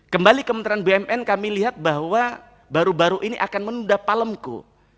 kembali kementerian bumn kami lihat bahwa baru baru ini akan menunda palemku